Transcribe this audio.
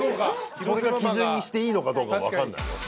基準にしていいのかどうか分かんないよ。